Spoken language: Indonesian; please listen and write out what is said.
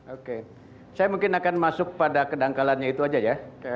oke saya mungkin akan masuk pada kedangkalannya itu aja ya